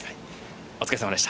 お疲れさまでした。